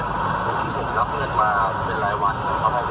ผมในภูมิได้รับเงินมาเมื่อไรวัน